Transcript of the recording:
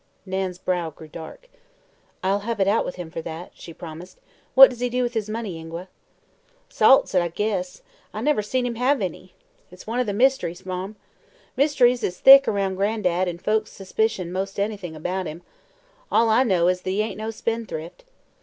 Nan's brow grew dark. "I'll have it out with him for that," she promised. "What does he do with his money, Ingua?" "Salts it, I guess. I never see him have any. It's one o' the mysteries, Marm. Mysteries is thick aroun' Gran'dad, an' folks suspicion 'most anything about him. All I know is that he ain't no spendthrift.